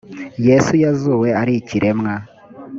yesu yazuwe ari ikiremwa